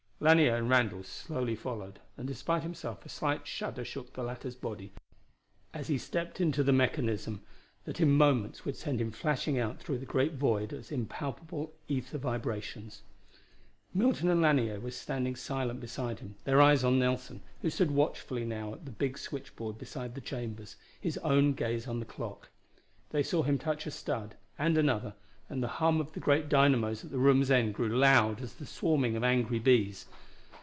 Lanier and Randall slowly followed, and despite himself a slight shudder shook the latter's body as he stepped into the mechanism that in moments would send him flashing out through the great void as impalpable ether vibrations. Milton and Lanier were standing silent beside him, their eyes on Nelson, who stood watchfully now at the big switchboard beside the chambers, his own gaze on the clock. They saw him touch a stud, and another, and the hum of the great dynamos at the room's end grew loud as the swarming of angry bees.